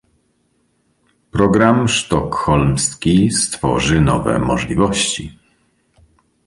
Program sztokholmski stworzy nowe możliwości